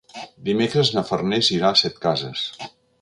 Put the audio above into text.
Dimecres na Farners irà a Setcases.